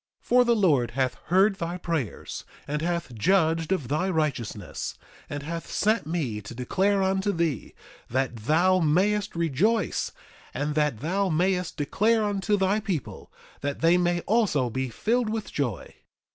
3:4 For the Lord hath heard thy prayers, and hath judged of thy righteousness, and hath sent me to declare unto thee that thou mayest rejoice; and that thou mayest declare unto thy people, that they may also be filled with joy.